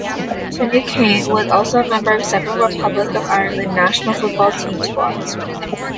Finucane was also a member of several Republic of Ireland national football team squads.